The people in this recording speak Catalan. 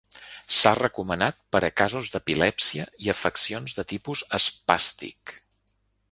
S'ha recomanat per a casos d'epilèpsia i afeccions de tipus espàstic.